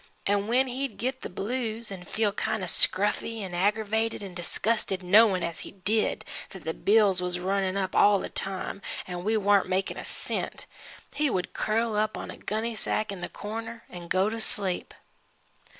An' when he'd git the blues, 'n' feel kind o' scruffy, 'n' aggravated 'n' disgusted knowin' as he did, that the bills was runnin' up all the time an' we warn't makin' a cent he would curl up on a gunny sack in the corner an' go to sleep.